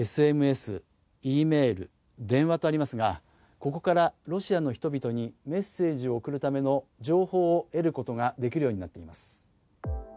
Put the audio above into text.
ＳＮＳ、ｅメール、電話とありますが、ここからロシアの人々にメッセージを送るための情報を得ることができるようになっています。